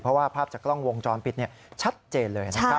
เพราะว่าภาพจากกล้องวงจรปิดชัดเจนเลยนะครับ